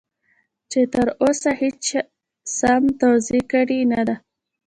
چې تر اوسه هېچا سم توضيح کړی نه دی.